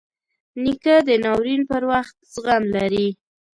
نیکه د ناورین پر وخت زغم لري.